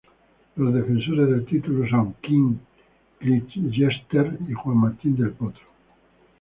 Los defensores del título son Kim Clijsters y Juan Martín del Potro.